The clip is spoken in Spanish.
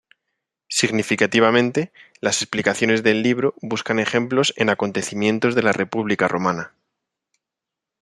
Significativamente, las explicaciones del libro buscan ejemplos en acontecimientos de la República romana.